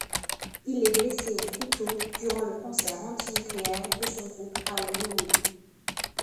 Il est blessé au couteau durant le concert anti-nucléaire de son groupe à Hollywood.